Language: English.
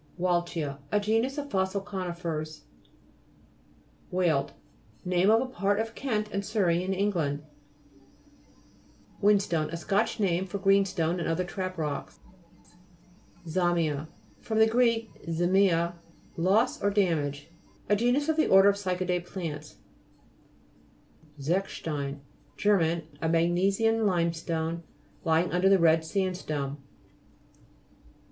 WAL'CHIA A genus of fossil co'nifers (p. 43). WEALD Name of a part of Kent and Surrey in England. WEALDEIT DEPOSIT (p. 69). WHINSTONE A Scotch name for greenstone and other trap rocks. ZA'MIA fr. gr. zemia, loss or damage. A genus of the order Cyca'dese plants. ZECHSTEIIT Ger. A magnesian limestone, lying under the red standstone.